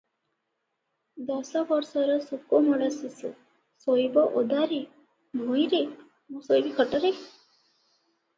ଦଶ ବର୍ଷର ସୁକୋମଳ ଶିଶୁ ଶୋଇବ ଓଦାରେ, ଭୂଇଁରେ, ମୁଁ ଶୋଇବି ଖଟରେ?